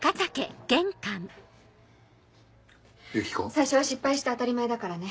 最初は失敗して当たり前だからね。